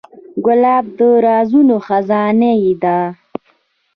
ګلاب د رازونو خزانې ده.